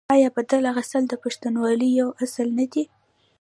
آیا بدل اخیستل د پښتونولۍ یو اصل نه دی؟